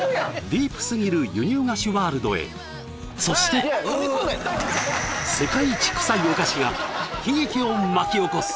ディープすぎる輸入菓子ワールドへそしてが悲劇を巻き起こす